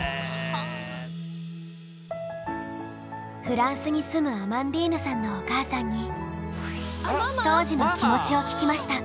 フランスに住むアマンディーヌさんのお母さんに当時の気持ちを聞きました。